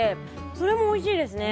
それもおいしいですね。